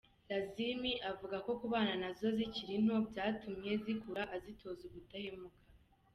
Lazmi avuga ko kubana nazo zikiri nto byatumye zikura azitoza ubudahemuka.